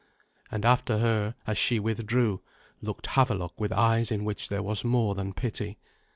And after her, as she withdrew, looked Havelok with eyes in which there was more than pity.